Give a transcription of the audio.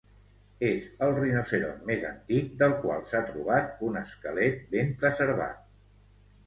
És el rinoceront més antic del qual s'ha trobat un esquelet ben preservat.